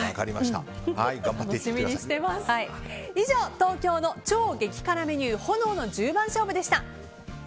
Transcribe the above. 以上、東京の超激辛メニュー炎の十番勝負でした。